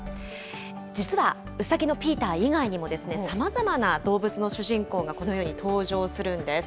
実は、うさぎのピーター以外にも、さまざまな動物の主人公がこのように登場するんです。